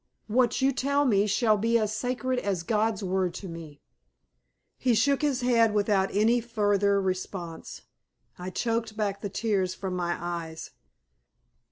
What you tell me shall be as sacred as God's word to me." He shook his head without any further response. I choked back the tears from my eyes.